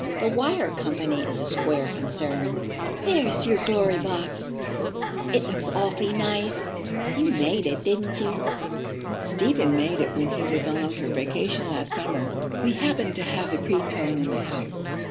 The Wire Company is a square concern. There's your Glory Box! It looks awfully nice. You made it, didn't you?' 'Stephen made it when he was on for his vacation last summer. We happened to have the cretonne in the house.